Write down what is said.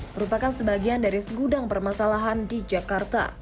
merupakan sebagian dari segudang permasalahan di jakarta